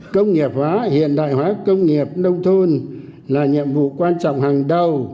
công nghiệp hóa hiện đại hóa công nghiệp nông thôn là nhiệm vụ quan trọng hàng đầu